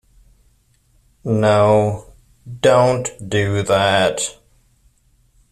No, don't do that.